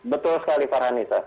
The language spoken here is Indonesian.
betul sekali farhanita